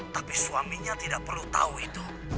tapi suaminya tidak perlu tahu itu